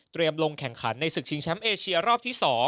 ลงแข่งขันในศึกชิงแชมป์เอเชียรอบที่๒